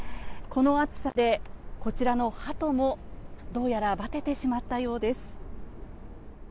この暑さでこちらのハトもどうやらばててしまったようです。